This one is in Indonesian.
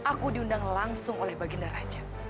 aku diundang langsung oleh baginda raja